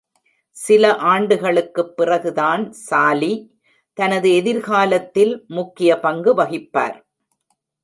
சில ஆண்டுகளுக்குப் பிறகுதான் சாலி தனது எதிர்காலத்தில் முக்கிய பங்கு வகிப்பார்.